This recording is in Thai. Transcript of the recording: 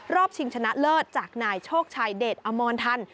ชิงชนะเลิศจากนายโชคชัยเดชอมรทัน